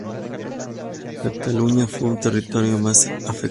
Cataluña fue el territorio más afectado.